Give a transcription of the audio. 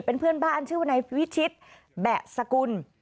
เป็นเพื่อนบ้านชื่อวนายวิชิตแบะสกุล